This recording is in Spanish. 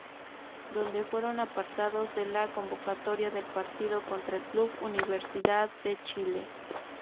Donde fueron apartados de la convocatoria del partido contra Club Universidad de Chile.